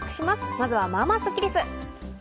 まずは、まあまあスッキりす。